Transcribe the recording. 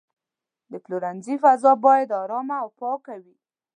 د پلورنځي فضا باید آرامه او پاکه وي.